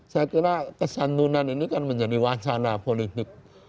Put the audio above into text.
saya kira kesantunan ini kan menjadi wacana politik